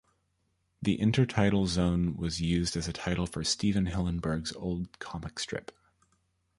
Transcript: The Intertidal Zone was used as a title for Stephen Hillenburg's old comic strip.